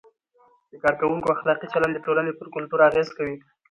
د کارکوونکو اخلاقي چلند د ټولنې پر کلتور اغیز کوي.